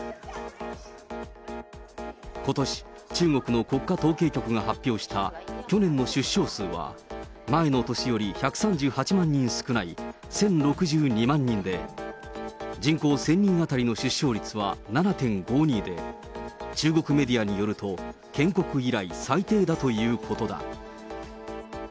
ことし中国の国家統計局が発表した去年の出生数は、前の年より１３８万人少ない１０６２万人で、人口１０００人当たりの出生率は７．５２で、中国メディアによると、建国以来最低だということだ。